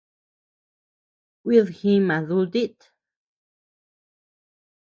Kuid jíma dutit.